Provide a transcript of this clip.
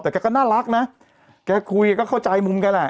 แต่แกก็น่ารักนะแกคุยก็เข้าใจมุมแกแหละ